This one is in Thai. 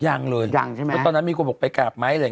ยังเลยตอนนั้นมีคนบอกว่าไปกราบไหม